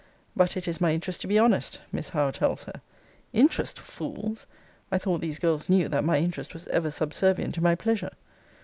But 'it is my interest to be honest,' Miss Howe tells her. INTEREST, fools! I thought these girls knew, that my interest was ever subservient to my pleasure.